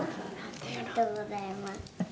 「ありがとうございます」